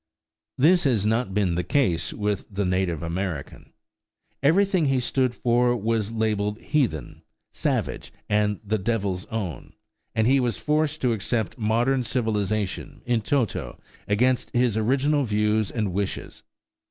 This has not been the case with the native American. Everything he stood for was labelled "heathen," "savage," and the devil's own; and he was forced to accept modern civilization in toto against his original views and wishes.